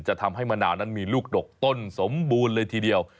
ทำให้มะนาวนั้นมีลูกดกต้นสมบูรณ์เลยทีเดียว